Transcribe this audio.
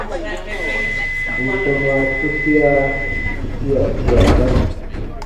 Bù sɔmaa tusia tia tiaka.